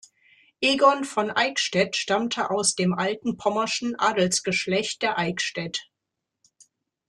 Egon von Eickstedt stammte aus dem alten pommerschen Adelsgeschlecht der Eickstedt.